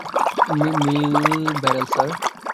মিলব্যারেল এ স্যার।